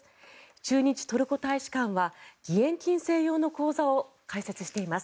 駐日トルコ大使館は義援金専用の口座を開設しています。